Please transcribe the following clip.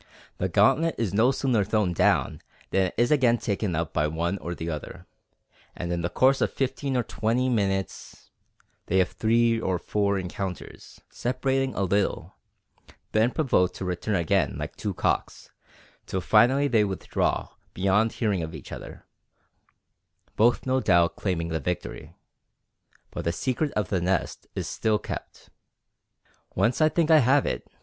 The gauntlet is no sooner thrown down than it is again taken up by one or the other, and in the course of fifteen or twenty minutes they have three or four encounters, separating a little, then provoked to return again like two cocks, till finally they withdraw beyond hearing of each other, both, no doubt, claiming the victory. But the secret of the nest is still kept. Once I think I have it.